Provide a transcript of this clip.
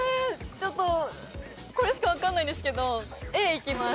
ちょっとこれしかわかんないんですけどＡいきます。